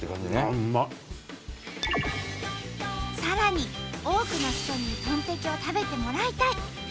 さらに多くの人にトンテキを食べてもらいたい！